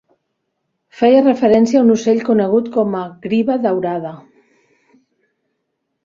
Feia referència a un ocell conegut com a griva daurada.